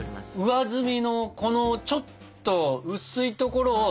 上澄みのこのちょっと薄いところを。